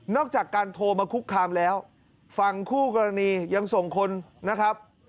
จากการโทรมาคุกคามแล้วฝั่งคู่กรณียังส่งคนนะครับ